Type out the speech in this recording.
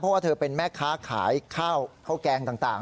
เพราะว่าเธอเป็นแม่ค้าขายข้าวข้าวแกงต่าง